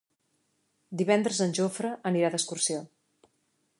Divendres en Jofre anirà d'excursió.